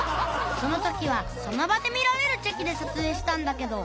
その時はその場で見られるチェキで撮影したんだけど